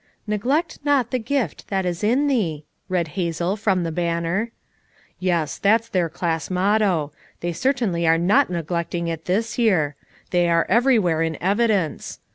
"" 'Neglect not the gift that is in thee,' " read Hazel from the banner. "Yes, that's their class motto. They cer tainly are not neglecting it this year I they are everywhere in evidence.